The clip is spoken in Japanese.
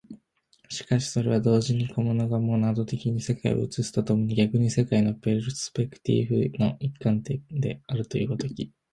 しかしてそれは同時に個物がモナド的に世界を映すと共に逆に世界のペルスペクティーフの一観点であるという如き、